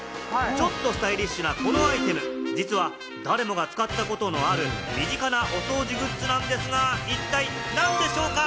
ちょっとスタイリッシュなこのアイテム、実は誰もが使ったことのある、身近なお掃除グッズなんですが、一体何でしょうか？